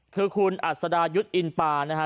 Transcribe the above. คือคุณอัศดายุทธ์อินปานะฮะ